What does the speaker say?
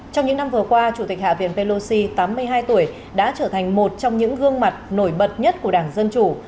trong những năm vừa qua chủ tịch hạ viện pelosi tám mươi hai tuổi đã trở thành một trong những gương mặt nổi bật nhất của đảng dân chủ